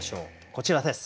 こちらです。